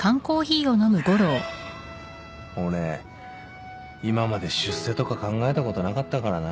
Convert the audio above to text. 俺今まで出世とか考えたことなかったからな。